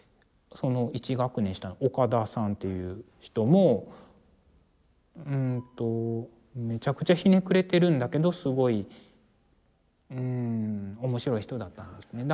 １学年下の岡田さんっていう人もめちゃくちゃひねくれてるんだけどすごい面白い人だったんですね。